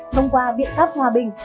thông qua biện pháp hòa bình